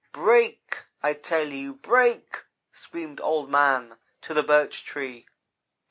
'Break! I tell you break!' screamed Old man to the Birch Tree.